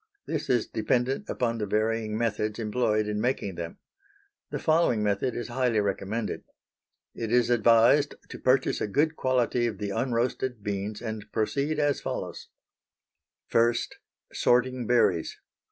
This is dependent upon the varying methods employed in making them. The following method is highly recommended. It is advised to purchase a good quality of the unroasted beans and proceed as follows: 1. _Sorting Berries.